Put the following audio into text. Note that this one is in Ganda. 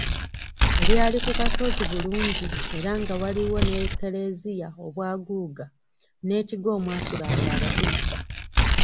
Lyali ku kasozi bulungi era nga waaliwo ne Kereziya obwaguuga n'ekigo omwasulanga abasisita.